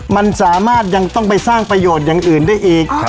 มันสามารถยังต้องไปสร้างประโยชน์อย่างอื่นได้อีก